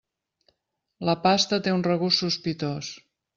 La pasta té un regust sospitós.